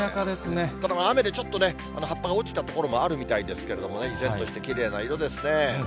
ただ、雨でちょっと、葉っぱが落ちた所もあるみたいですけれどもね、依然としてきれいな色ですね。